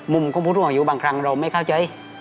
มุมของผู้สูงอายุบางครั้งเราไม่เข้าใจ